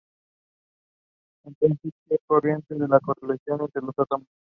Entonces, "g" corrige la correlación entre átomos.